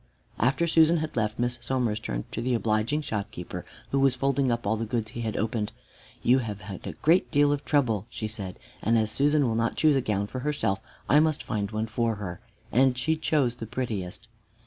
After Susan had left, Miss Somers turned to the obliging shopkeeper who was folding up all the goods he had opened. "You have had a great deal of trouble," she said, "and as Susan will not choose a gown for herself, I must find one for her," and she chose the prettiest.